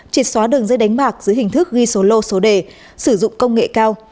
triệt xóa đường dây đánh bạc dưới hình thức ghi số lô số đề sử dụng công nghệ cao